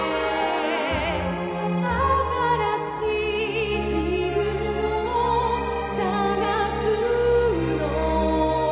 「新しい自分を探すの」